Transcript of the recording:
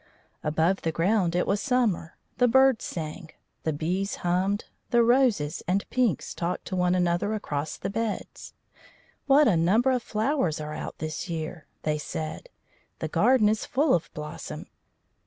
Above the ground it was summer. The birds sang, the bees hummed, the roses and pinks talked to one another across the beds. "What a number of flowers are out this year!" they said. "The garden is full of blossom."